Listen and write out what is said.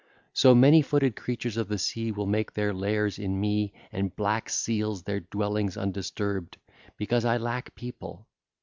So, many footed creatures of the sea will make their lairs in me and black seals their dwellings undisturbed, because I lack people.